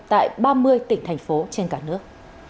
tại ba mươi tỉnh thành phố trên cả nước